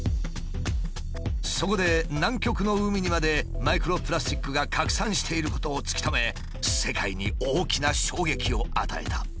そこで南極の海にまでマイクロプラスチックが拡散していることを突き止め世界に大きな衝撃を与えた。